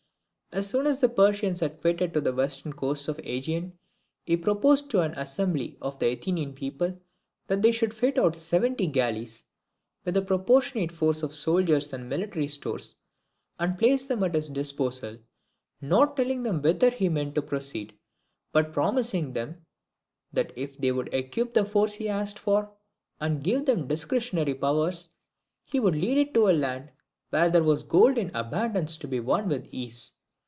As soon as the Persians had quitted the western coasts of the AEgean, he proposed to an assembly of the Athenian people that they should fit out seventy galleys, with a proportionate force of soldiers and military stores, and place them at his disposal; not telling them whither he meant to proceed, but promising them that if they would equip the force he asked for, and give him discretionary powers, he would lead it to a land where there was gold in abundance to be won with ease.